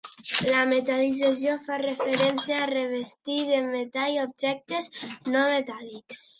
La metal·lització fa referència a revestir de metall objectes no metàl·lics.